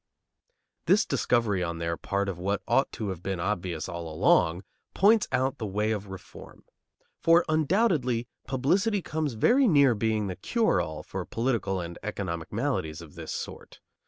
This discovery on their part of what ought to have been obvious all along points out the way of reform; for undoubtedly publicity comes very near being the cure all for political and economic maladies of this sort.